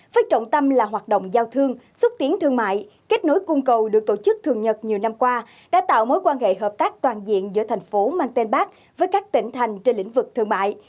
với trọng tâm là hoạt động giao thương xúc tiến thương mại kết nối cung cầu được tổ chức thường nhật nhiều năm qua đã tạo mối quan hệ hợp tác toàn diện giữa thành phố mang tên bắc với các tỉnh thành trên lĩnh vực thương mại